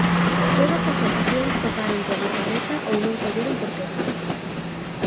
Todas as ocasións toparon co gardameta ou non colleron portería.